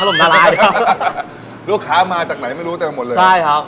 ลูกค้ามาจากไหนไม่รู้จังมากหมดเลย